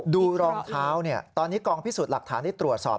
รองเท้าตอนนี้กองพิสูจน์หลักฐานได้ตรวจสอบ